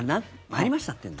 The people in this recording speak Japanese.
参りましたって言うの？